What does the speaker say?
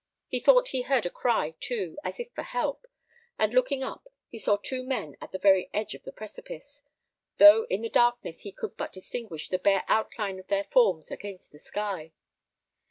He thought he heard a cry, too, as if for help, and looking up, he saw two men at the very edge of the precipice, though in the darkness he could but distinguish the bare outline of their forms against the sky.